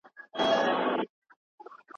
د نن ماښام راهيسي يــې